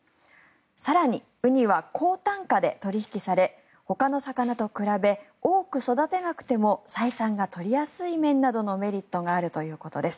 更に、ウニは高単価で取引されほかの魚と比べ多く育てなくても採算が取りやすい面などのメリットがあるということです。